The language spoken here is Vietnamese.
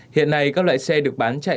hiện nay các loại xe được bán chạy